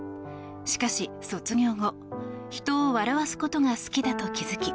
しかし卒業後人を笑わすことが好きだと気付き